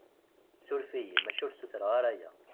Suref-iyi, maca ur sutreɣ ara aya.